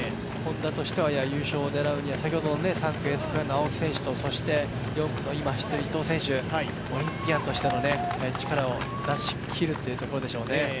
Ｈｏｎｄａとしては優勝を狙うには先ほどの青木選手、そして今走っている伊藤選手、オリンピアンとしての力を出し切るというところでしょうね。